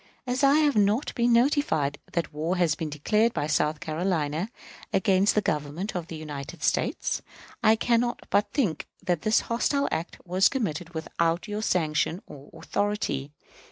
As I have not been notified that war has been declared by South Carolina against the Government of the United States, I can not but think that this hostile act was committed without your sanction or authority.